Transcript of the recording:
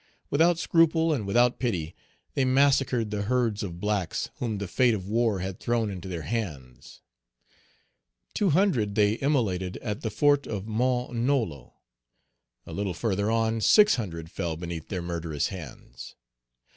Without scruple and without pity, they massacred the herds of blacks whom the fate of war had thrown into their hands; two hundred they immolated at the Fort of Mount Nolo; a little further on, six hundred fell beneath their murderous hands.